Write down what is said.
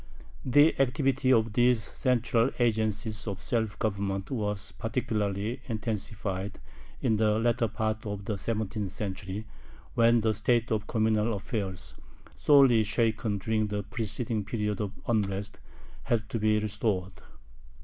The activity of these central agencies of self government was particularly intensified in the latter part of the seventeenth century, when the state of communal affairs, sorely shaken during the preceding period of unrest, had to be restored.